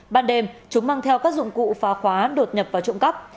ban đêm chúng mang theo các dụng cụ phá khóa đột nhập vào trộm cắp